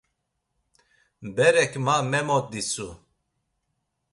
Berek ma memoditsu.